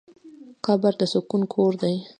قبر د سکون کور دی.